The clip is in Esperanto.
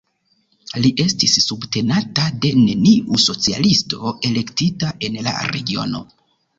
Li estis subtenata de neniu socialisto elektita en la regiono.